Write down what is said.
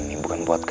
riot yang berwaduh